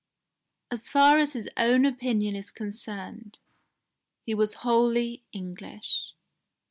As far as his own opinion is concerned, he was wholly English."